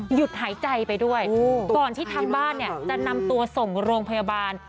หยุดหายใจไปด้วยก่อนที่ทางบ้านเนี่ยจะนำตัวส่งโรงพยาบาล